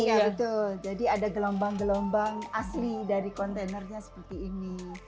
iya betul jadi ada gelombang gelombang asli dari kontainernya seperti ini